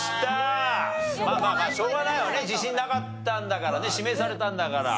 まあしょうがないよね自信なかったんだからね指名されたんだから。